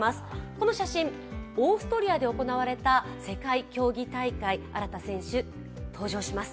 この写真、オーストリアで行われた世界競技大会荒田選手、登場します。